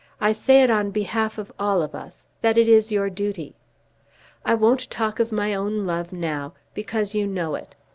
I say it on behalf of all of us, that it is your duty. I won't talk of my own love now, because you know it.